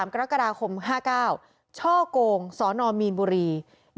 กรกฎาคม๕๙ช่อกงสนมีนบุรี